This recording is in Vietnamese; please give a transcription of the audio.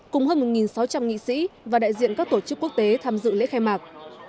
cùng hơn một sáu trăm linh nghị sĩ và đại diện các tổ chức quốc tế tham dự lễ khai mạc